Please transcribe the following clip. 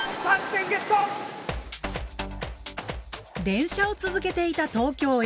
連射を続けていた東京Ａ